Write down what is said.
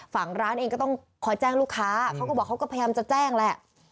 ฝั่งร้านเองก็ต้องคอยแจ้งลูกค้าเขาก็บอกเขาก็พยายามจะแจ้งแหละ